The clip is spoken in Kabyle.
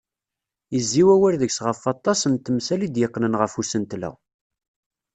Yezzi wawal deg-s ɣef waṭas n temsal i d-yeqqnen ɣef usentel-a.